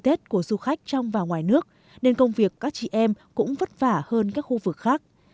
tất bật với công việc của du khách trong và ngoài nước nên công việc các chị em cũng vất vả hơn các khu vực khác